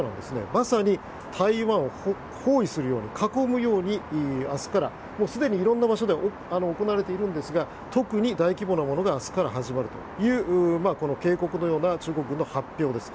まさに台湾を包囲するように囲むように明日からすでに色んな場所で行われているんですが特に大規模なものが明日から始まるという警告のような中国軍の発表です。